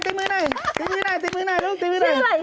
ชื่ออะไรคะนี่ค่ะ